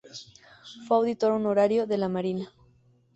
Fue Auditor Honorario de la Marina.